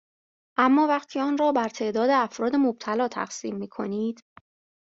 اما وقتی آن را بر تعداد افراد مبتلا تقسیم میکنید